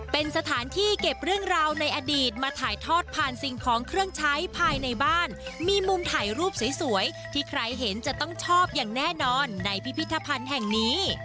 เป็นสถานที่เก็บเรื่องราวในอดีตมาถ่ายทอดผ่านสิ่งของเครื่องใช้ภายในบ้านมีมุมถ่ายรูปสวยที่ใครเห็นจะต้องชอบอย่างแน่นอนในพิพิธภัณฑ์แห่งนี้